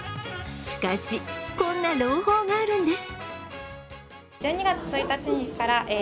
しかし、こんな朗報があるんです。